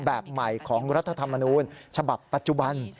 แบบใหม่ของรัฐธรรมนูญฉบับปัจจุบัน